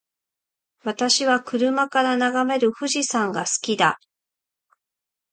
私は車から眺める富士山が好きだ。